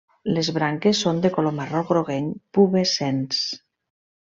Les branques són de color marró groguenc, pubescents.